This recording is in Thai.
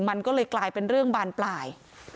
มันก็เลยกลายเป็นเรื่องบานปลาย